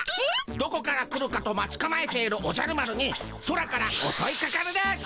どこから来るかと待ちかまえているおじゃる丸に空からおそいかかるでゴンス。